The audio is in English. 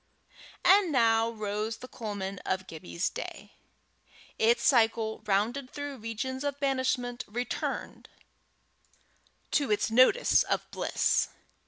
And now rose the culmen of Gibbie's day! its cycle, rounded through regions of banishment, returned to its nodus of bliss.